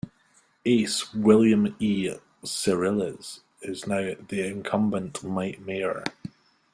Ace William E. Cerilles is now the incumbent mayor.